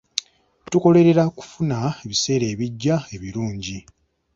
Tukolerera kufuna ebiseera ebijja ebirungi.